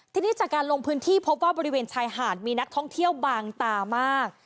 ทีนี้จากการลงพื้นที่พบว่าบริเวณชายหาดมีนักท่องเที่ยวบางตามาก